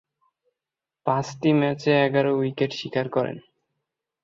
পাঁচটি ম্যাচে এগারো উইকেট শিকার করেন।